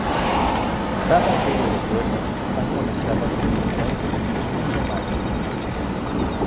Cada serie de cuerdas están conectadas con un puente Tune-O-Matic.